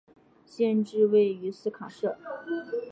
县治位于斯卡杜。